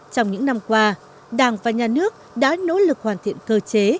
trong những năm qua đảng và nhà nước đã nỗ lực hoàn thiện cơ chế